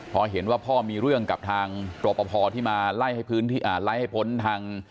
พอเห็นว่าพ่อมีเรื่องกับทางรอปภที่มาไล่ให้ไล่ให้พ้นทาง